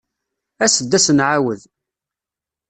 As-d ad as-nɛawed.